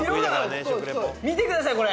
見てくださいこれ。